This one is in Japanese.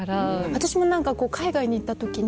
私も海外に行った時に。